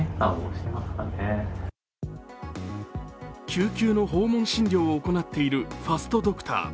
救急の訪問診療を行っているファストドクター。